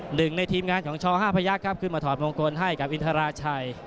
หนึ่งในทีมงานของช๕พยักษ์ครับขึ้นมาถอดมงคลให้กับอินทราชัย